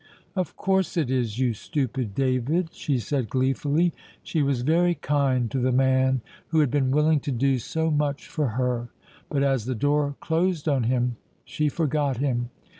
"Of course it is, you stupid David," she said gleefully. She was very kind to the man who had been willing to do so much for her; but as the door closed on him she forgot him.